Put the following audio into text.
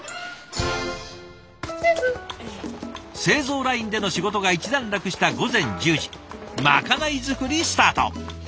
製造ラインでの仕事が一段落した午前１０時まかない作りスタート！